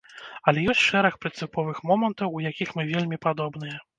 Але ёсць шэраг прынцыповых момантаў, у якіх мы вельмі падобныя.